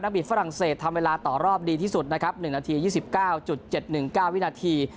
บีฝรั่งเศสทำเวลาต่อรอบดีที่สุดนะครับ๑นาที๒๙๗๑๙วินาที